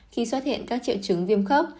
khi xuất hiện các triệu chứng viêm khớp